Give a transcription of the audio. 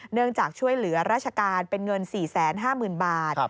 เนื่องจากช่วยเหลือราชการเป็นเงิน๔๕๐๐๐บาท